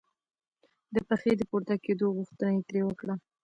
د پښې د پورته کېدو غوښتنه یې ترې وکړه.